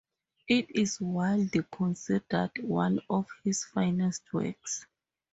It is widely considered one of his finest works.